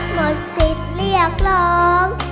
หมดศิษย์เรียกรอง